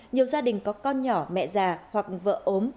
nhiều gia đình có con nhỏ mẹ già hoặc vợ ốm